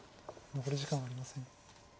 残り時間はありません。